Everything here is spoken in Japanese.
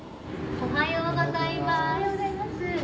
おはようございます。